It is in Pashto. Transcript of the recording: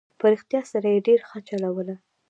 په رښتیا سره یې ډېره ښه چلوله.